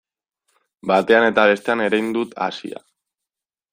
Batean eta bestean erein dut hazia.